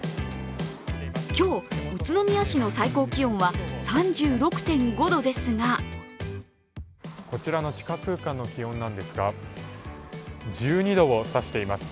今日、宇都宮市の最高気温は３６．５度ですがこちらの地下空間の気温なんですが、１２度を指しています。